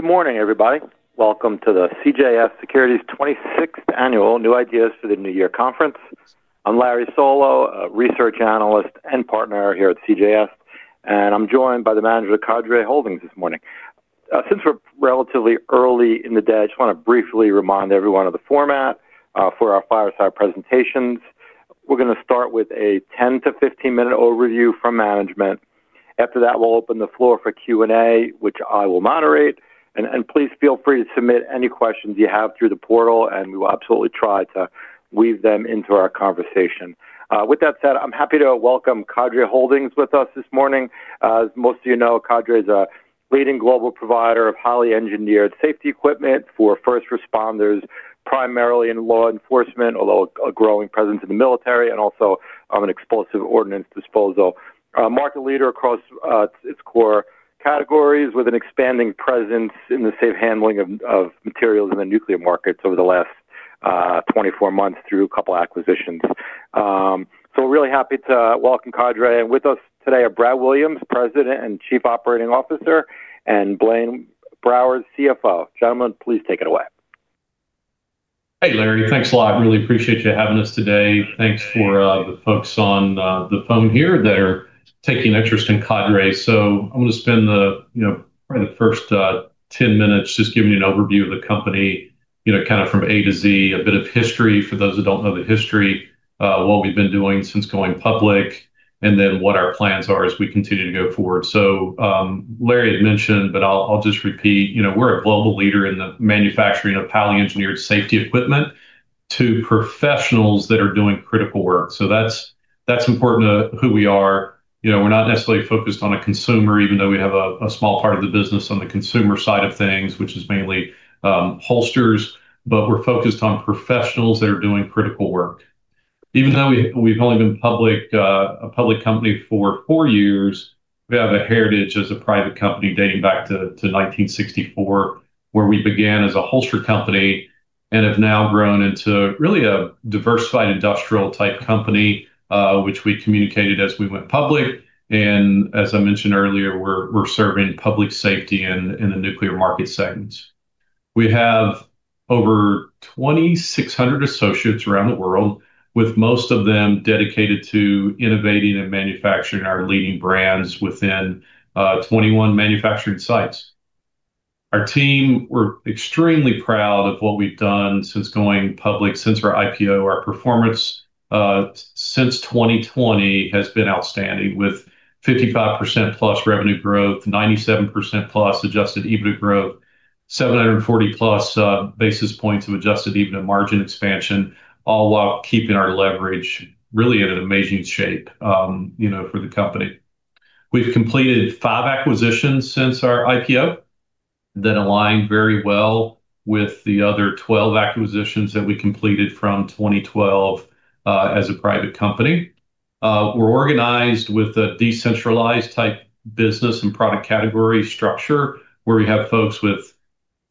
Good morning, everybody. Welcome to the CJS Securities 26th Annual New Ideas for the New Year Conference. I'm Larry Solow, a research analyst and partner here at CJS, and I'm joined by the manager of Cadre Holdings this morning. Since we're relatively early in the day, I just want to briefly remind everyone of the format for our fireside presentations. We're going to start with a 10- to 15-minute overview from management. After that, we'll open the floor for Q&A, which I will moderate. And please feel free to submit any questions you have through the portal, and we will absolutely try to weave them into our conversation. With that said, I'm happy to welcome Cadre Holdings with us this morning. As most of you know, Cadre is a leading global provider of highly engineered safety equipment for first responders, primarily in law enforcement, although a growing presence in the military and also on an explosive ordnance disposal, a market leader across its core categories with an expanding presence in the safe handling of materials in the nuclear markets over the last 24 months through a couple of acquisitions, so we're really happy to welcome Cadre, and with us today are Brad Williams, President and Chief Operating Officer, and Blaine Browers, CFO. Gentlemen, please take it away. Hey, Larry, thanks a lot. Really appreciate you having us today. Thanks for the folks on the phone here that are taking interest in Cadre. So I'm going to spend probably the first 10 minutes just giving you an overview of the company, kind of from A to Z, a bit of history for those who don't know the history, what we've been doing since going public, and then what our plans are as we continue to go forward. So Larry had mentioned, but I'll just repeat, we're a global leader in the manufacturing of highly engineered safety equipment to professionals that are doing critical work. So that's important to who we are. We're not necessarily focused on a consumer, even though we have a small part of the business on the consumer side of things, which is mainly holsters, but we're focused on professionals that are doing critical work. Even though we've only been a public company for four years, we have a heritage as a private company dating back to 1964, where we began as a holster company and have now grown into really a diversified industrial-type company, which we communicated as we went public. As I mentioned earlier, we're serving public safety in the nuclear market segments. We have over 2,600 associates around the world, with most of them dedicated to innovating and manufacturing our leading brands within 21 manufacturing sites. Our team. We're extremely proud of what we've done since going public, since our IPO. Our performance since 2020 has been outstanding with 55% plus revenue growth, 97% plus Adjusted EBITDA growth, 740 plus basis points of Adjusted EBITDA margin expansion, all while keeping our leverage really in an amazing shape for the company. We've completed five acquisitions since our IPO that align very well with the other 12 acquisitions that we completed from 2012 as a private company. We're organized with a decentralized type business and product category structure where we have folks with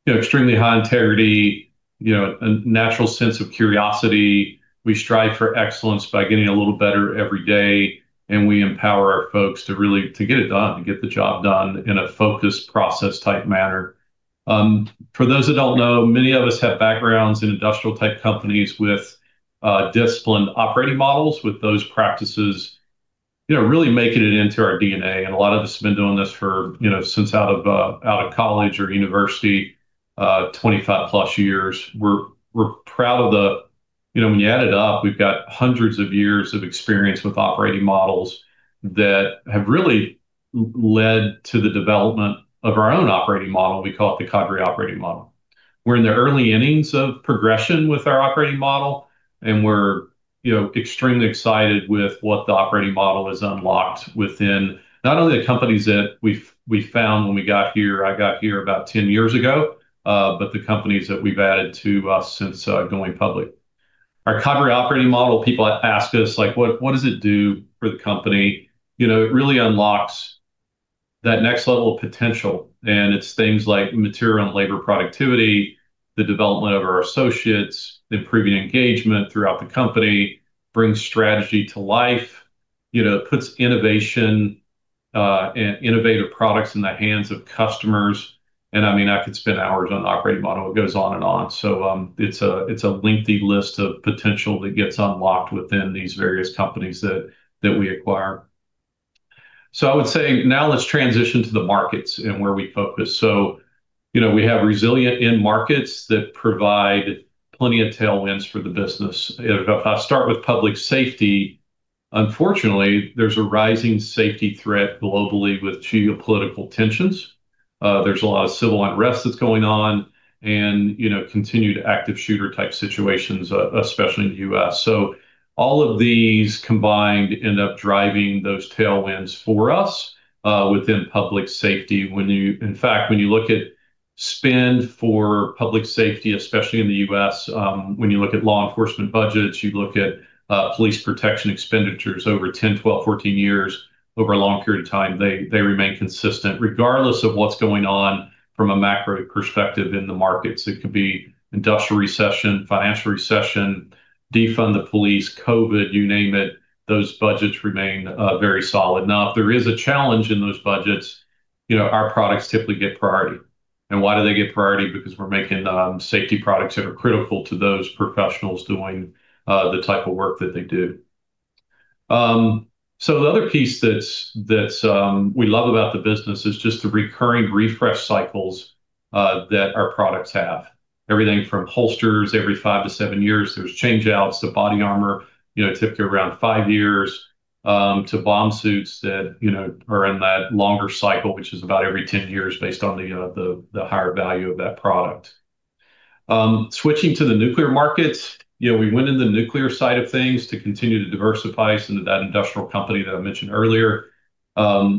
extremely high integrity, a natural sense of curiosity. We strive for excellence by getting a little better every day, and we empower our folks to really get it done, get the job done in a focused process type manner. For those who don't know, many of us have backgrounds in industrial-type companies with disciplined operating models, with those practices really making it into our DNA and a lot of us have been doing this since out of college or university, 25 plus years. We're proud of the, when you add it up, we've got hundreds of years of experience with operating models that have really led to the development of our own operating model. We call it the Cadre Operating Model. We're in the early innings of progression with our operating model, and we're extremely excited with what the operating model has unlocked within not only the companies that we found when we got here, I got here about 10 years ago, but the companies that we've added to us since going public. Our Cadre Operating Model, people ask us, like, what does it do for the company? It really unlocks that next level of potential. And it's things like material and labor productivity, the development of our associates, improving engagement throughout the company, brings strategy to life, puts innovation and innovative products in the hands of customers. And I mean, I could spend hours on the operating model. It goes on and on, so it's a lengthy list of potential that gets unlocked within these various companies that we acquire, so I would say now let's transition to the markets and where we focus, so we have resilient end markets that provide plenty of tailwinds for the business. If I start with public safety, unfortunately, there's a rising safety threat globally with geopolitical tensions. There's a lot of civil unrest that's going on and continued active shooter type situations, especially in the U.S., so all of these combined end up driving those tailwinds for us within public safety. In fact, when you look at spend for public safety, especially in the U.S., when you look at law enforcement budgets, you look at police protection expenditures over 10, 12, 14 years, over a long period of time, they remain consistent regardless of what's going on from a macro perspective in the markets. It could be industrial recession, financial recession, defund the police, COVID, you name it, those budgets remain very solid. Now, if there is a challenge in those budgets, our products typically get priority. And why do they get priority? Because we're making safety products that are critical to those professionals doing the type of work that they do. So the other piece that we love about the business is just the recurring refresh cycles that our products have. Everything from holsters every five to seven years, there's changeouts to body armor, typically around five years, to bomb suits that are in that longer cycle, which is about every 10 years based on the higher value of that product. Switching to the nuclear markets, we went in the nuclear side of things to continue to diversify us into that industrial company that I mentioned earlier.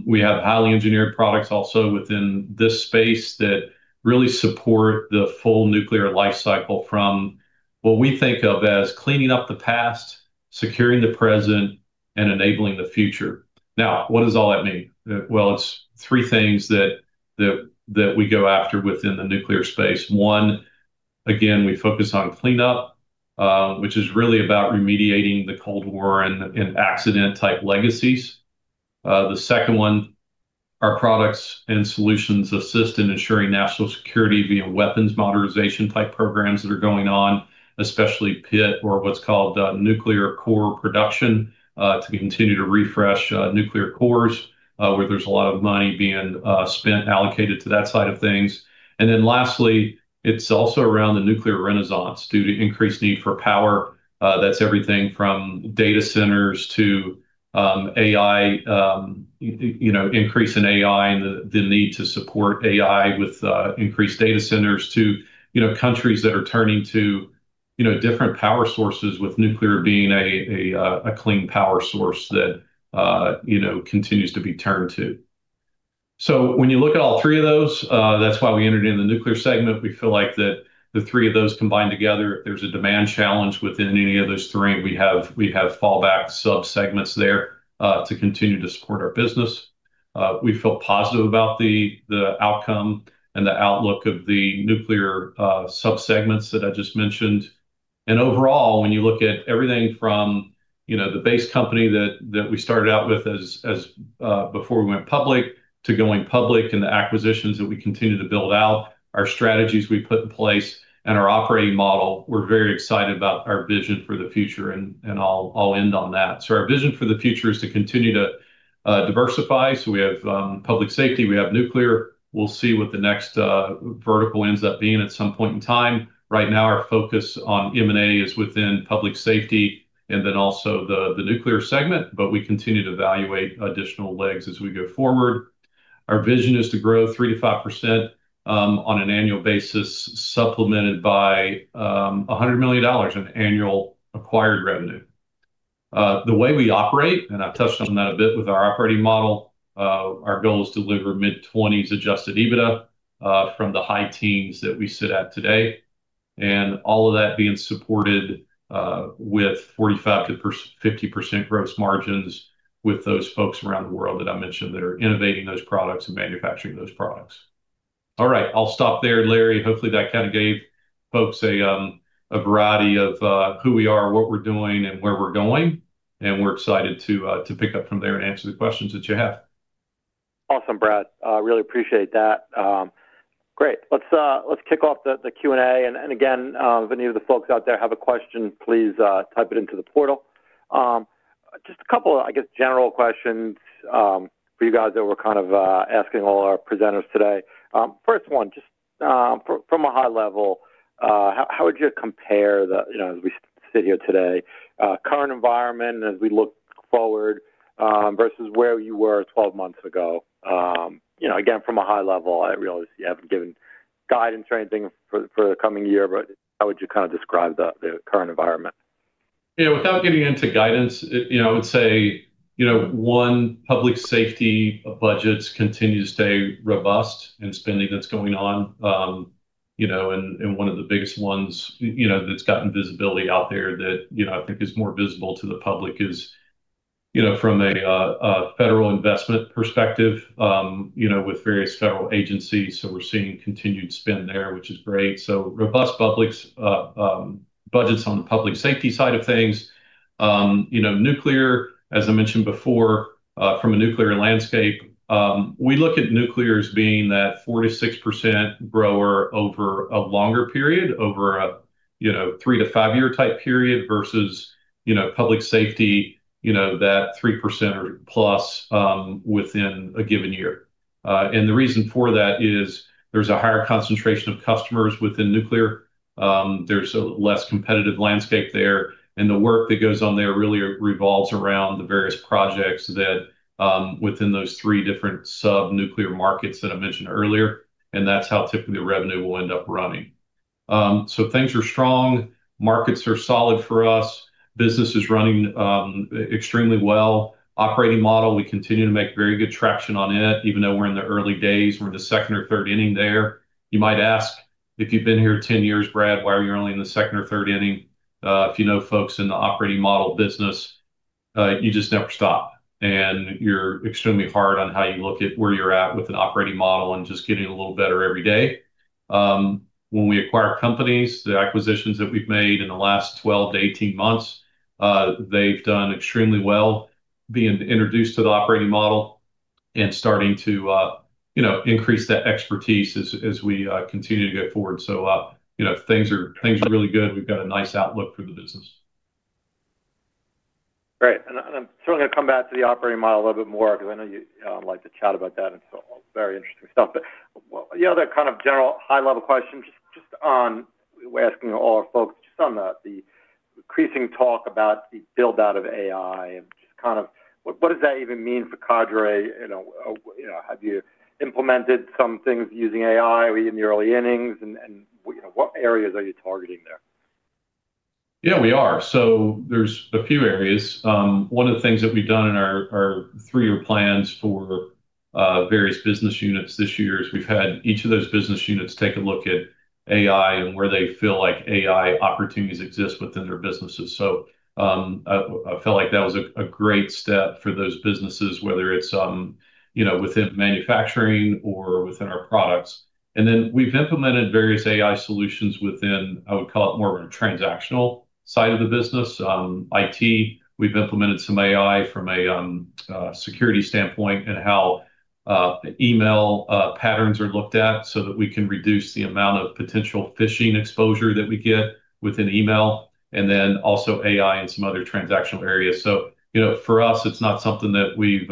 We have highly engineered products also within this space that really support the full nuclear life cycle from what we think of as cleaning up the past, securing the present, and enabling the future. Now, what does all that mean? Well, it's three things that we go after within the nuclear space. One, again, we focus on cleanup, which is really about remediating the Cold War and accident type legacies. The second one, our products and solutions assist in ensuring national security via weapons modernization type programs that are going on, especially pit or what's called nuclear core production to continue to refresh nuclear cores where there's a lot of money being spent allocated to that side of things, and then lastly, it's also around the nuclear renaissance due to increased need for power. That's everything from data centers to AI, increase in AI and the need to support AI with increased data centers to countries that are turning to different power sources with nuclear being a clean power source that continues to be turned to, so when you look at all three of those, that's why we entered in the nuclear segment. We feel like that the three of those combined together, if there's a demand challenge within any of those three, we have fallback subsegments there to continue to support our business. We feel positive about the outcome and the outlook of the nuclear subsegments that I just mentioned. And overall, when you look at everything from the base company that we started out with before we went public to going public and the acquisitions that we continue to build out, our strategies we put in place and our operating model, we're very excited about our vision for the future, and I'll end on that. So our vision for the future is to continue to diversify. So we have public safety, we have nuclear. We'll see what the next vertical ends up being at some point in time. Right now, our focus on M&A is within public safety and then also the nuclear segment, but we continue to evaluate additional legs as we go forward. Our vision is to grow 3%-5% on an annual basis, supplemented by $100 million in annual acquired revenue. The way we operate, and I've touched on that a bit with our operating model, our goal is to deliver mid-20s Adjusted EBITDA from the high teens that we sit at today, and all of that being supported with 45%-50% gross margins with those folks around the world that I mentioned that are innovating those products and manufacturing those products. All right, I'll stop there, Larry. Hopefully, that kind of gave folks a variety of who we are, what we're doing, and where we're going. We're excited to pick up from there and answer the questions that you have. Awesome, Brad. Really appreciate that. Great. Let's kick off the Q&A, and again, if any of the folks out there have a question, please type it into the portal. Just a couple of, I guess, general questions for you guys that we're kind of asking all our presenters today. First one, just from a high level, how would you compare the, as we sit here today, current environment as we look forward versus where you were 12 months ago? Again, from a high level, I realize you haven't given guidance or anything for the coming year, but how would you kind of describe the current environment? Yeah, without getting into guidance, I would say our public safety budgets continue to stay robust and spending that's going on. And one of the biggest ones that's gotten visibility out there that I think is more visible to the public is from a federal investment perspective with various federal agencies. So we're seeing continued spend there, which is great. So robust public budgets on the public safety side of things. Nuclear, as I mentioned before, from a nuclear landscape, we look at nuclear as being that 4%-6% grower over a longer period, over a three to five year type period versus public safety that 3% or plus within a given year. And the reason for that is there's a higher concentration of customers within nuclear. There's a less competitive landscape there. And the work that goes on there really revolves around the various projects that within those three different sub-nuclear markets that I mentioned earlier. And that's how typically the revenue will end up running. So things are strong. Markets are solid for us. Business is running extremely well. Operating model, we continue to make very good traction on it, even though we're in the early days. We're in the second or third inning there. You might ask, if you've been here 10 years, Brad, why are you only in the second or third inning? If you know folks in the operating model business, you just never stop. And you're extremely hard on how you look at where you're at with an operating model and just getting a little better every day. When we acquire companies, the acquisitions that we've made in the last 12-18 months, they've done extremely well being introduced to the operating model and starting to increase that expertise as we continue to go forward. So things are really good. We've got a nice outlook for the business. Great. And I'm sort of going to come back to the operating model a little bit more because I know you like to chat about that and very interesting stuff. But the other kind of general high-level question, just on we're asking all our folks just on the increasing talk about the build-out of AI and just kind of what does that even mean for Cadre? Have you implemented some things using AI in the early innings? And what areas are you targeting there? Yeah, we are. So, there's a few areas. One of the things that we've done in our three-year plans for various business units this year is we've had each of those business units take a look at AI and where they feel like AI opportunities exist within their businesses. So, I felt like that was a great step for those businesses, whether it's within manufacturing or within our products. And then we've implemented various AI solutions within, I would call it more of a transactional side of the business, IT. We've implemented some AI from a security standpoint and how email patterns are looked at so that we can reduce the amount of potential phishing exposure that we get within email and then also AI in some other transactional areas. So, for us, it's not something that we've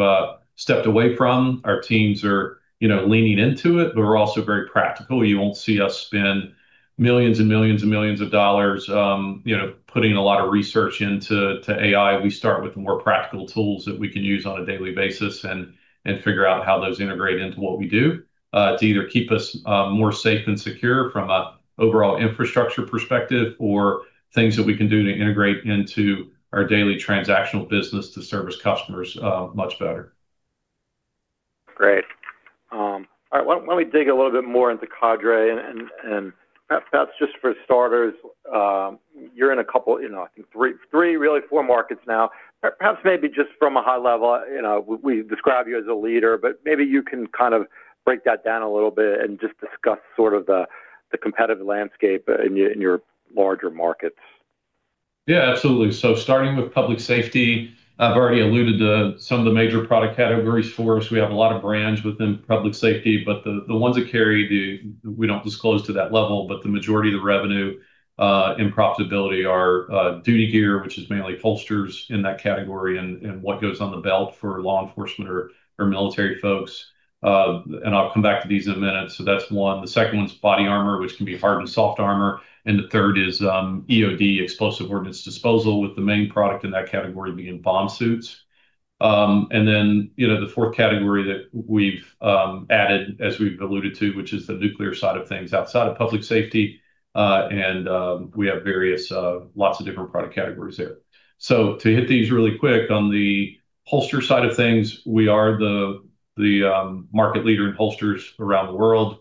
stepped away from. Our teams are leaning into it, but we're also very practical. You won't see us spend millions and millions and millions of dollars putting a lot of research into AI. We start with more practical tools that we can use on a daily basis and figure out how those integrate into what we do to either keep us more safe and secure from an overall infrastructure perspective or things that we can do to integrate into our daily transactional business to service customers much better. Great. All right. Why don't we dig a little bit more into Cadre? And perhaps just for starters, you're in a couple, I think three, really four markets now. Perhaps maybe just from a high level, we describe you as a leader, but maybe you can kind of break that down a little bit and just discuss sort of the competitive landscape in your larger markets. Yeah, absolutely. So starting with public safety, I've already alluded to some of the major product categories for us. We have a lot of brands within public safety, but the ones that carry, we don't disclose to that level, but the majority of the revenue and profitability are duty gear, which is mainly holsters in that category and what goes on the belt for law enforcement or military folks. And I'll come back to these in a minute. So that's one. The second one is body armor, which can be hard and soft armor. And the third is EOD, explosive ordnance disposal, with the main product in that category being bomb suits. And then the fourth category that we've added, as we've alluded to, which is the nuclear side of things outside of public safety. And we have lots of different product categories there. To hit these really quick, on the holster side of things, we are the market leader in holsters around the world.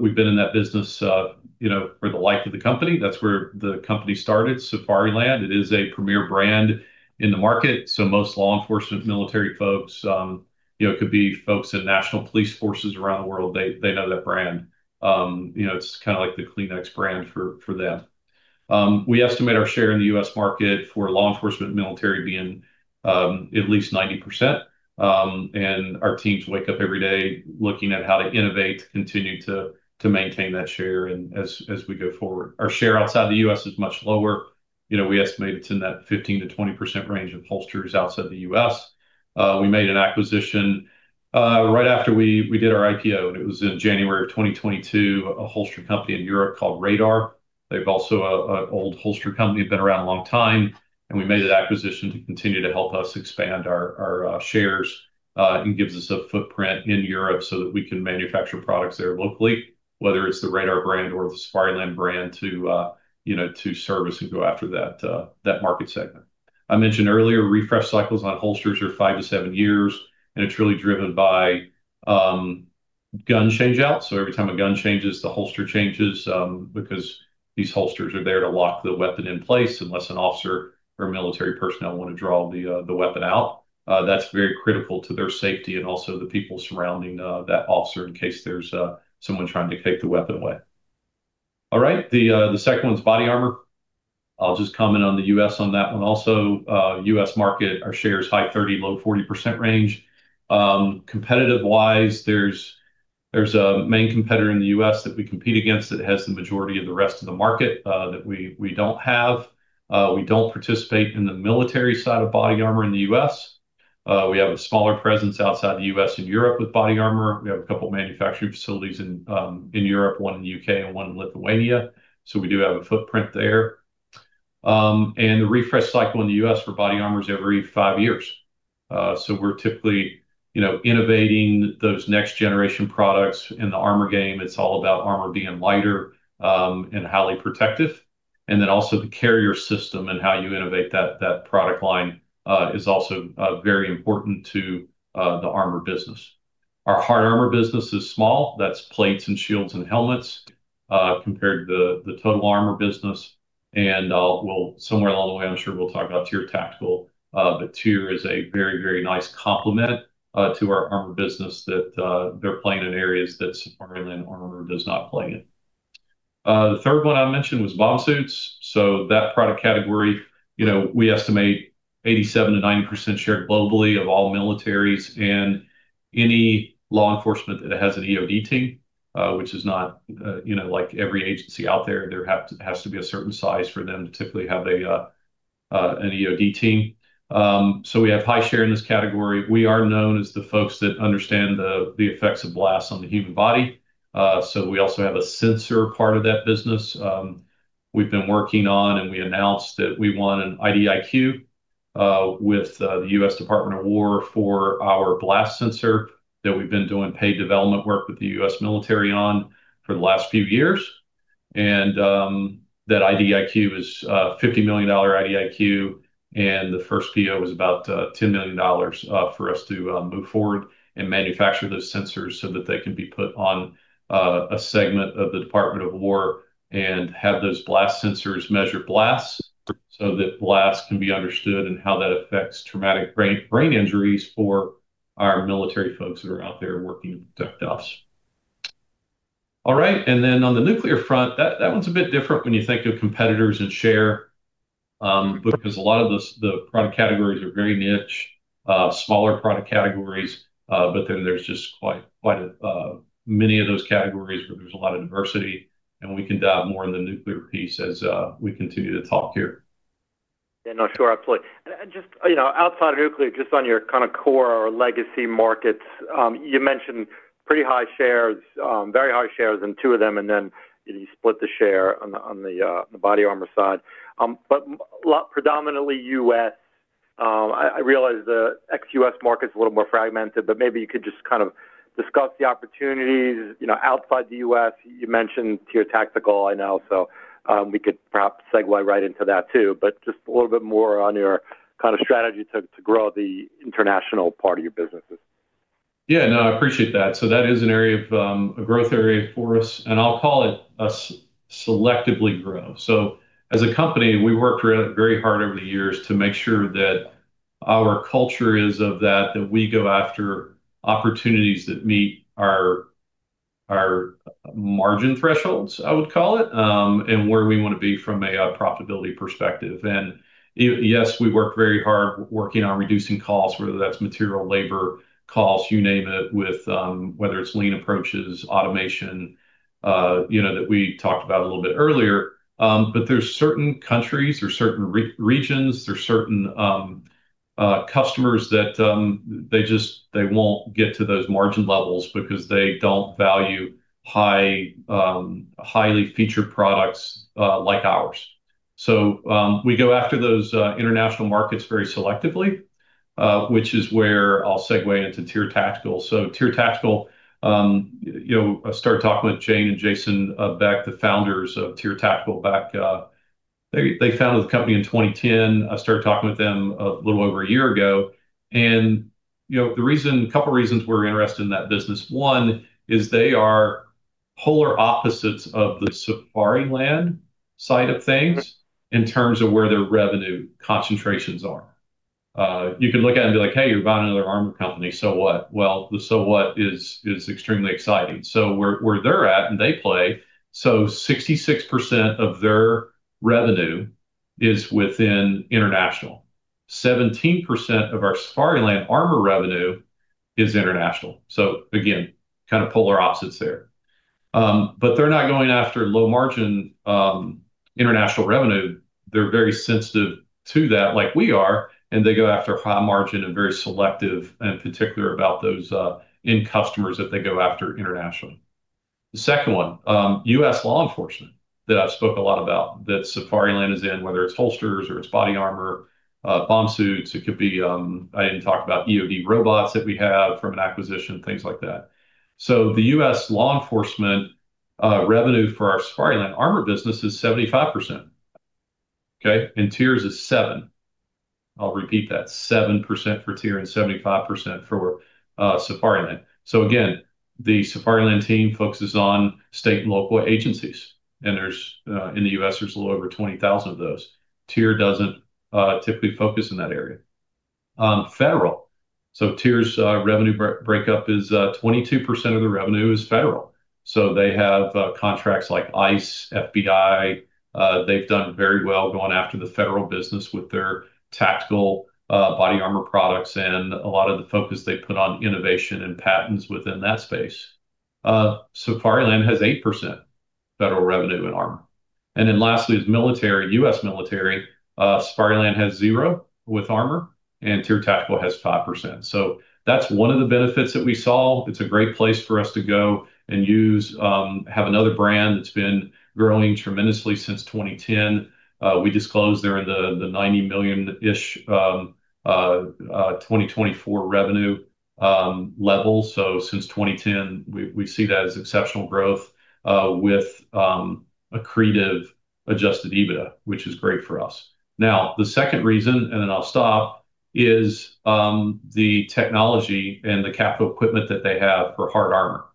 We've been in that business for the life of the company. That's where the company started, Safariland. It is a premier brand in the market. Most law enforcement, military folks, it could be folks in national police forces around the world, they know that brand. It's kind of like the Kleenex brand for them. We estimate our share in the U.S. market for law enforcement and military being at least 90%. Our teams wake up every day looking at how to innovate to continue to maintain that share as we go forward. Our share outside the U.S. is much lower. We estimate it's in that 15%-20% range of holsters outside the U.S. We made an acquisition right after we did our IPO. It was in January of 2022, a holster company in Europe called Radar. They've also been an old holster company. They've been around a long time, and we made an acquisition to continue to help us expand our shares and gives us a footprint in Europe so that we can manufacture products there locally, whether it's the Radar brand or the Safariland brand to service and go after that market segment. I mentioned earlier, refresh cycles on holsters are five to seven years, and it's really driven by gun changeouts, so every time a gun changes, the holster changes because these holsters are there to lock the weapon in place unless an officer or military personnel want to draw the weapon out. That's very critical to their safety and also the people surrounding that officer in case there's someone trying to take the weapon away. All right. The second one is body armor. I'll just comment on the U.S. on that one also. U.S. market, our share is high 30-low 40% range. Competitive-wise, there's a main competitor in the U.S. that we compete against that has the majority of the rest of the market that we don't have. We don't participate in the military side of body armor in the U.S. We have a smaller presence outside the U.S. and Europe with body armor. We have a couple of manufacturing facilities in Europe, one in the U.K. and one in Lithuania. We do have a footprint there. The refresh cycle in the U.S. for body armor is every five years. We're typically innovating those next-generation products in the armor game. It's all about armor being lighter and highly protective. And then also the carrier system and how you innovate that product line is also very important to the armor business. Our hard armor business is small. That's plates and shields and helmets compared to the total armor business. And somewhere along the way, I'm sure we'll talk about TYR Tactical, but TYR is a very, very nice complement to our armor business that they're playing in areas that Safariland armor does not play in. The third one I mentioned was bomb suits. So that product category, we estimate 87%-90% share globally of all militaries and any law enforcement that has an EOD team, which is not like every agency out there. There has to be a certain size for them to typically have an EOD team. So we have high share in this category. We are known as the folks that understand the effects of blasts on the human body. So we also have a sensor part of that business. We've been working on and we announced that we won an IDIQ with the U.S. Department of Defense for our blast sensor that we've been doing paid development work with the U.S. military on for the last few years. And that IDIQ is a $50 million IDIQ, and the first PO was about $10 million for us to move forward and manufacture those sensors so that they can be put on a segment of the Department of Defense and have those blast sensors measure blasts so that blasts can be understood and how that affects traumatic brain injuries for our military folks that are out there working to protect us. All right. And then on the nuclear front, that one's a bit different when you think of competitors and share because a lot of the product categories are very niche, smaller product categories. But then there's just quite many of those categories where there's a lot of diversity. And we can dive more in the nuclear piece as we continue to talk here. Yeah, no, sure. Absolutely. And just outside of nuclear, just on your kind of core or legacy markets, you mentioned pretty high shares, very high shares in two of them, and then you split the share on the body armor side. But predominantly U.S., I realize the ex-U.S. market's a little more fragmented, but maybe you could just kind of discuss the opportunities outside the U.S. You mentioned TYR Tactical, I know, so we could perhaps segue right into that too, but just a little bit more on your kind of strategy to grow the international part of your businesses. Yeah, no, I appreciate that. So that is an area of a growth area for us, and I'll call it us selectively grow. So as a company, we worked very hard over the years to make sure that our culture is of that, that we go after opportunities that meet our margin thresholds, I would call it, and where we want to be from a profitability perspective. And yes, we work very hard working on reducing costs, whether that's material, labor, costs, you name it, whether it's lean approaches, automation that we talked about a little bit earlier. But there's certain countries, there's certain regions, there's certain customers that they won't get to those margin levels because they don't value highly featured products like ours. So we go after those international markets very selectively, which is where I'll segue into TYR Tactical. TYR Tactical, I started talking with Jane and Jason Beck, the founders of TYR Tactical back. They founded the company in 2010. I started talking with them a little over a year ago. The reason, a couple of reasons we're interested in that business, one is they are polar opposites of the Safariland side of things in terms of where their revenue concentrations are. You could look at them and be like, "Hey, you're buying another armor company. So what?" The so what is extremely exciting. Where they're at and they play, 66% of their revenue is within international. 17% of our Safariland armor revenue is international. Again, kind of polar opposites there. But they're not going after low-margin international revenue. They're very sensitive to that like we are. And they go after high margin and very selective and particular about those end customers that they go after internationally. The second one, U.S. law enforcement that I've spoke a lot about that Safariland is in, whether it's holsters or it's body armor, bomb suits. It could be I didn't talk about EOD robots that we have from an acquisition, things like that. So the U.S. law enforcement revenue for our Safariland armor business is 75%. Okay? And TYR's is 7%. I'll repeat that. 7% for TYR and 75% for Safariland. So again, the Safariland team focuses on state and local agencies. And in the U.S., there's a little over 20,000 of those. TYR doesn't typically focus in that area. Federal. So TYR's revenue breakup is 22% of the revenue is federal. So they have contracts like ICE, FBI. They've done very well going after the federal business with their tactical body armor products and a lot of the focus they put on innovation and patents within that space. Safariland has 8% federal revenue in armor. And then lastly, it's military, U.S. military. Safariland has zero with armor, and TYR Tactical has 5%. So that's one of the benefits that we saw. It's a great place for us to go and use, have another brand that's been growing tremendously since 2010. We disclosed they're in the $90 million-ish 2024 revenue level. So since 2010, we see that as exceptional growth with accretive Adjusted EBITDA, which is great for us. Now, the second reason, and then I'll stop, is the technology and the capital equipment that they have for hard armor.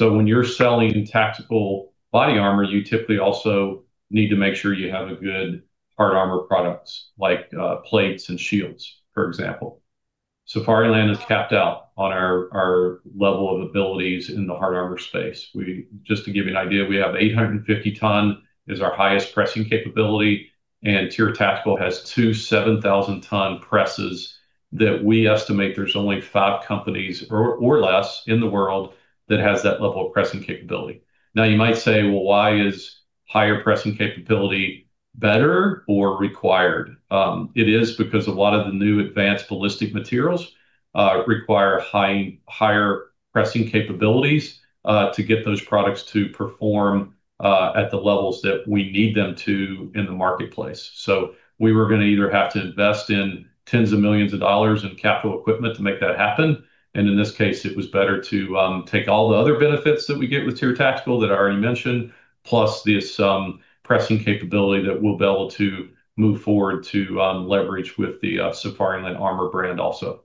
When you're selling tactical body armor, you typically also need to make sure you have good hard armor products like plates and shields, for example. Safariland is capped out on our level of abilities in the hard armor space. Just to give you an idea, we have 850-ton is our highest pressing capability. TYR Tactical has two 7,000-ton presses that we estimate there's only five companies or less in the world that has that level of pressing capability. Now, you might say, "Well, why is higher pressing capability better or required?" It is because a lot of the new advanced ballistic materials require higher pressing capabilities to get those products to perform at the levels that we need them to in the marketplace. We were going to either have to invest in tens of millions of dollars in capital equipment to make that happen. In this case, it was better to take all the other benefits that we get with TYR Tactical that I already mentioned, plus this pressing capability that we'll be able to move forward to leverage with the Safariland armor brand also.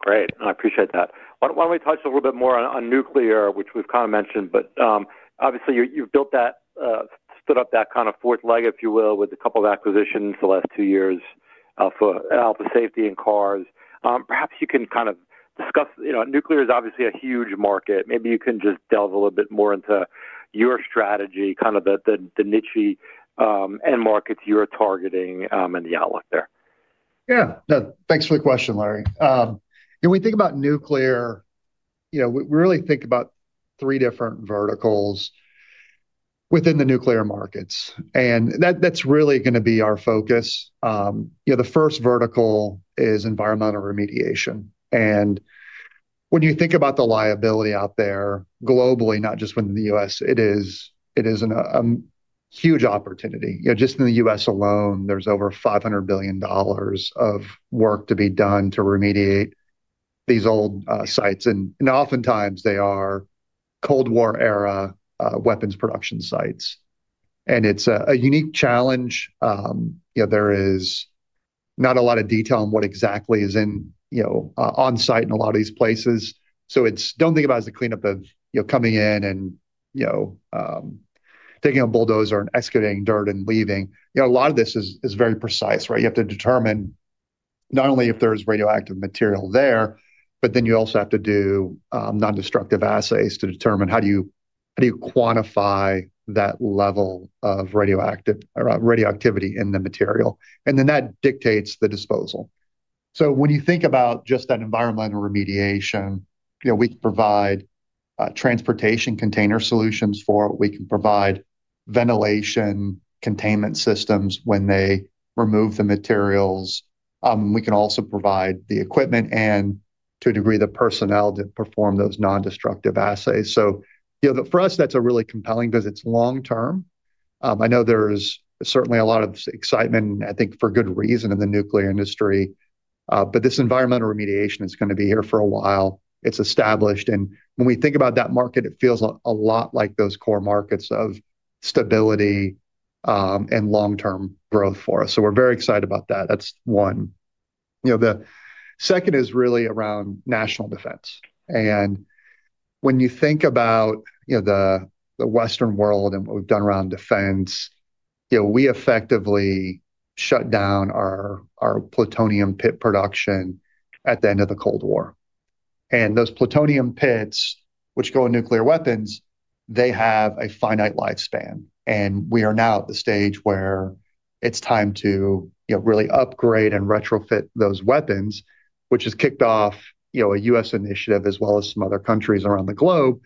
Great. I appreciate that. Why don't we touch a little bit more on nuclear, which we've kind of mentioned, but obviously you've built that, stood up that kind of fourth leg, if you will, with a couple of acquisitions the last two years for Alpha Safety and Carrs. Perhaps you can kind of discuss. Nuclear is obviously a huge market. Maybe you can just delve a little bit more into your strategy, kind of the niche end markets you're targeting and the outlook there. Yeah. Thanks for the question, Larry. When we think about nuclear, we really think about three different verticals within the nuclear markets. And that's really going to be our focus. The first vertical is environmental remediation. And when you think about the liability out there globally, not just within the U.S., it is a huge opportunity. Just in the U.S. alone, there's over $500 billion of work to be done to remediate these old sites. And oftentimes they are Cold War-era weapons production sites. And it's a unique challenge. There is not a lot of detail on what exactly is on site in a lot of these places. So don't think about it as a cleanup of coming in and taking a bulldozer and excavating dirt and leaving. A lot of this is very precise, right? You have to determine not only if there's radioactive material there, but then you also have to do non-destructive assays to determine how do you quantify that level of radioactivity in the material, and then that dictates the disposal, so when you think about just that environmental remediation, we can provide transportation container solutions for it. We can provide ventilation containment systems when they remove the materials. We can also provide the equipment and to a degree, the personnel to perform those non-destructive assays. So for us, that's a really compelling because it's long-term. I know there's certainly a lot of excitement, I think for good reason in the nuclear industry, but this environmental remediation is going to be here for a while. It's established, and when we think about that market, it feels a lot like those core markets of stability and long-term growth for us. So we're very excited about that. That's one. The second is really around national defense. And when you think about the Western world and what we've done around defense, we effectively shut down our plutonium pit production at the end of the Cold War. And those plutonium pits, which go in nuclear weapons, they have a finite lifespan. And we are now at the stage where it's time to really upgrade and retrofit those weapons, which has kicked off a U.S. initiative as well as some other countries around the globe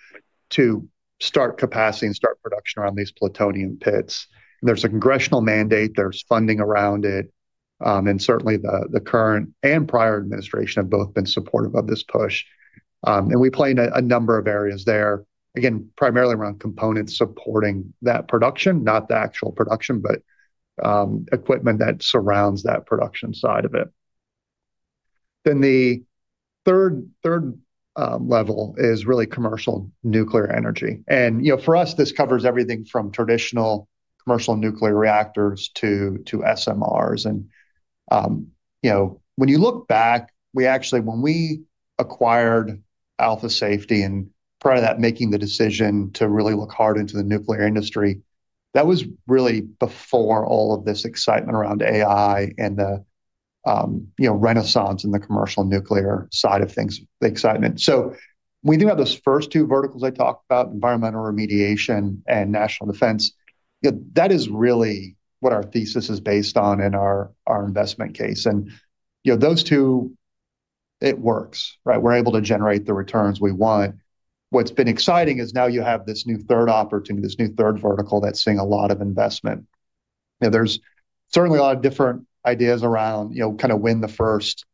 to start capacity and start production around these plutonium pits. And there's a congressional mandate. There's funding around it. And certainly the current and prior administration have both been supportive of this push. And we play in a number of areas there, again, primarily around components supporting that production, not the actual production, but equipment that surrounds that production side of it. Then the third level is really commercial nuclear energy. And for us, this covers everything from traditional commercial nuclear reactors to SMRs. And when you look back, we actually, when we acquired Alpha Safety and prior to that, making the decision to really look hard into the nuclear industry, that was really before all of this excitement around AI and the renaissance in the commercial nuclear side of things, the excitement. So when we think about those first two verticals I talked about, environmental remediation and national defense, that is really what our thesis is based on in our investment case. And those two, it works, right? We're able to generate the returns we want. What's been exciting is now you have this new third opportunity, this new third vertical that's seeing a lot of investment. There's certainly a lot of different ideas around kind of when the first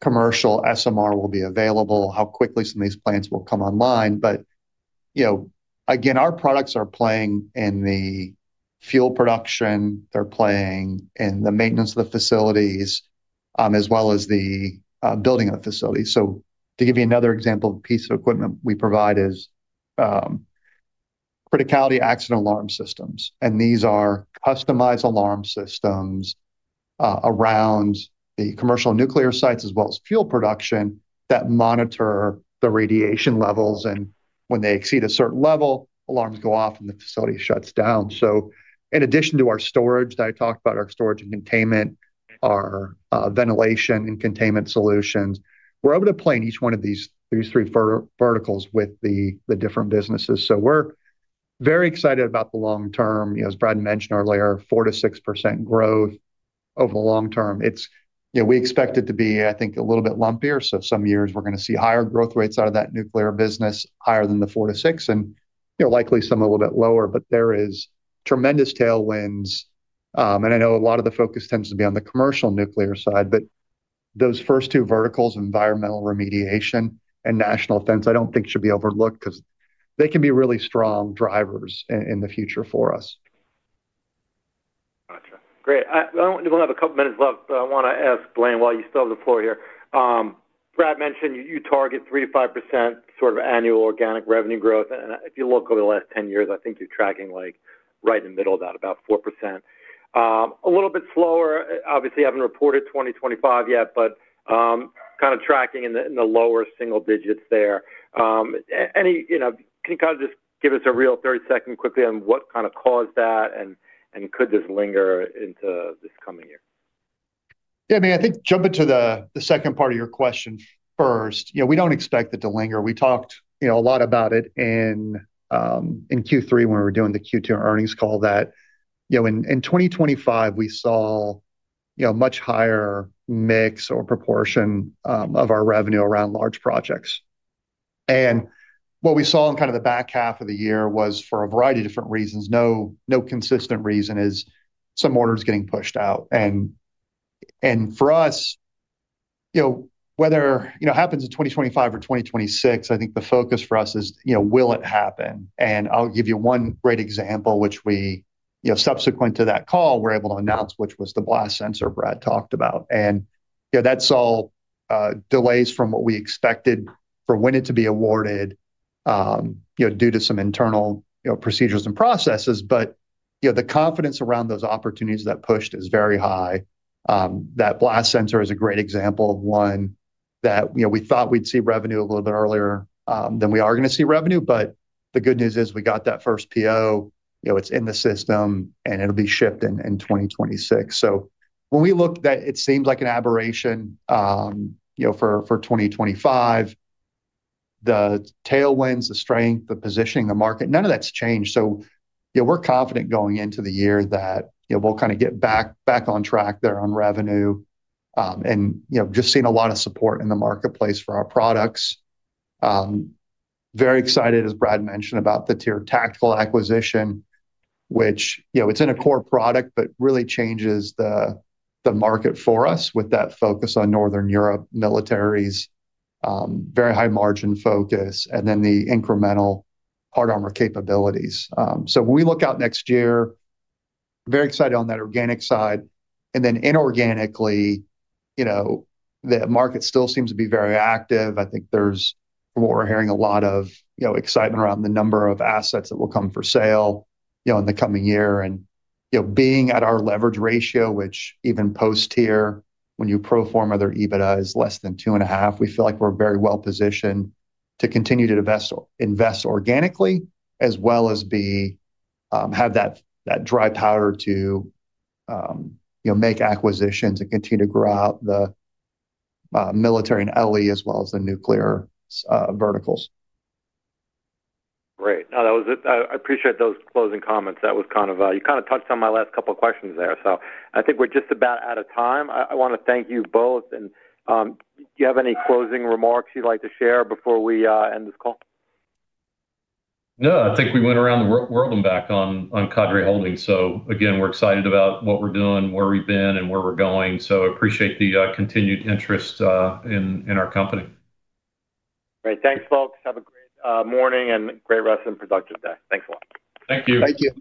commercial SMR will be available, how quickly some of these plants will come online. But again, our products are playing in the fuel production. They're playing in the maintenance of the facilities as well as the building of the facility. So to give you another example of a piece of equipment we provide is criticality accident alarm systems. And these are customized alarm systems around the commercial nuclear sites as well as fuel production that monitor the radiation levels. And when they exceed a certain level, alarms go off and the facility shuts down. So in addition to our storage that I talked about, our storage and containment, our ventilation and containment solutions, we're able to play in each one of these three verticals with the different businesses. So we're very excited about the long-term. As Brad mentioned earlier, 4%-6% growth over the long-term. We expect it to be, I think, a little bit lumpier, so some years, we're going to see higher growth rates out of that nuclear business, higher than the 4%-6%, and likely some a little bit lower, but there is tremendous tailwinds, and I know a lot of the focus tends to be on the commercial nuclear side, but those first two verticals, environmental remediation and national defense, I don't think should be overlooked because they can be really strong drivers in the future for us. Gotcha. Great. We'll have a couple of minutes left, but I want to ask Blaine, while you still have the floor here. Brad mentioned you target 3%-5% sort of annual organic revenue growth. And if you look over the last 10 years, I think you're tracking right in the middle of that, about 4%. A little bit slower. Obviously, I haven't reported 2025 yet, but kind of tracking in the lower single-digits there. Can you kind of just give us a real 30-second quickly on what kind of caused that and could this linger into this coming year? Yeah. I mean, I think jumping to the second part of your question first, we don't expect it to linger. We talked a lot about it in Q3 when we were doing the Q2 earnings call that in 2025, we saw a much higher mix or proportion of our revenue around large projects. And what we saw in kind of the back half of the year was for a variety of different reasons. No consistent reason is some orders getting pushed out. And for us, whether it happens in 2025 or 2026, I think the focus for us is, will it happen? And I'll give you one great example, which we subsequent to that call, we're able to announce, which was the blast sensor Brad talked about. And that's all delays from what we expected for when it to be awarded due to some internal procedures and processes. But the confidence around those opportunities that pushed is very high. That blast sensor is a great example of one that we thought we'd see revenue a little bit earlier than we are going to see revenue. But the good news is we got that first PO. It's in the system, and it'll be shipped in 2026. So when we look, it seems like an aberration for 2025. The tailwinds, the strength, the positioning, the market, none of that's changed. So we're confident going into the year that we'll kind of get back on track there on revenue. And just seeing a lot of support in the marketplace for our products. Very excited, as Brad mentioned, about the TYR Tactical acquisition, which it's in a core product, but really changes the market for us with that focus on Northern Europe militaries, very high margin focus, and then the incremental hard armor capabilities. So when we look out next year, very excited on that organic side. And then inorganically, the market still seems to be very active. I think there's, from what we're hearing, a lot of excitement around the number of assets that will come for sale in the coming year. And being at our leverage ratio, which even post-TYR, when you pro forma other EBITDA, is less than two and a half, we feel like we're very well positioned to continue to invest organically as well as have that dry powder to make acquisitions and continue to grow out the military and LE as well as the nuclear verticals. Great. No, that was it. I appreciate those closing comments. That was kind of you kind of touched on my last couple of questions there, so I think we're just about out of time. I want to thank you both and do you have any closing remarks you'd like to share before we end this call? No, I think we went around the world and back on Cadre Holdings. So again, we're excited about what we're doing, where we've been, and where we're going. So I appreciate the continued interest in our company. Great. Thanks, folks. Have a great morning and great rest of the productive day. Thanks a lot. Thank you. Thank you.